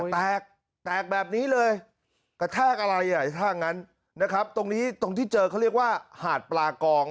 แตกแตกแบบนี้เลยกระแทกอะไรถ้างั้นตรงที่เจอเขาเรียกว่าหาดปลากอง